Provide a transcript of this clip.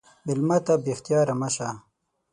مېلمه ته بې اختیاره مه شه.